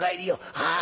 はあ。